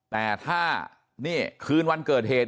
แต่ถ้านี่คืนวันเกิดเหตุ